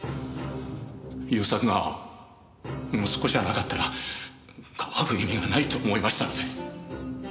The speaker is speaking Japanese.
勇作が息子じゃなかったら庇う意味がないと思いましたので。